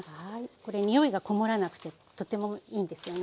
これ匂いがこもらなくてとてもいいんですよね。